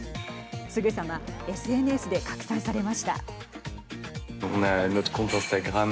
すぐさまＳＮＳで拡散されました。